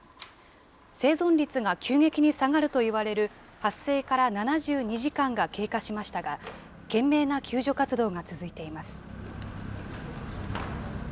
生存率が急激に下がるといわれる発生から７２時間が経過しましたが、懸命な救助活動が続いています。